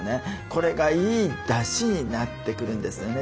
これがいいだしになってくるんですよね